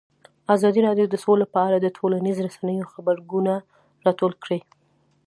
ازادي راډیو د سوله په اړه د ټولنیزو رسنیو غبرګونونه راټول کړي.